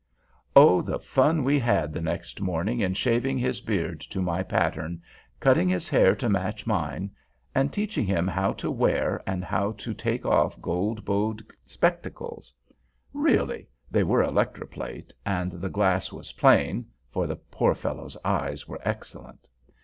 Oh, the fun we had the next morning in shaving his beard to my pattern, cutting his hair to match mine, and teaching him how to wear and how to take off gold bowed spectacles! Really, they were electroplate, and the glass was plain (for the poor fellow's eyes were excellent).